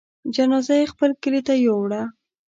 جنازه يې خپل کلي ته يووړه.